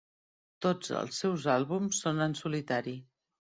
Tots els seus àlbums són en solitari.